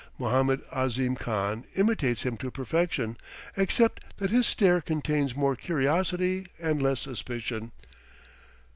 Mohammed Ahzim Khan imitates him to perfection, except that his stare contains more curiosity and less suspicion.